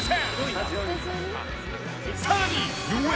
［さらに］